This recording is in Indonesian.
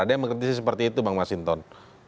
ada yang mengkritisi seperti itu bang mas hinton